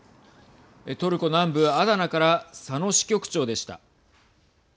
トルコ南部アダナから佐野支局長でした。